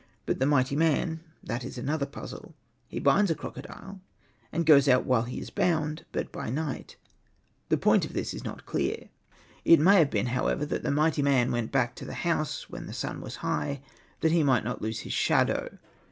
But the mighty man — that is another puzzle. He binds a crocodile, and goes out while he is bound, but by night. The point of this is not clear. It may have 4 Hosted by Google 34 THE DOOMED PRINCE been, however, that the mighty man went back to the house when the sun was high, that he might not lose his shadow.